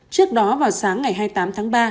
trước đó vào sáng ngày hai mươi tám tháng ba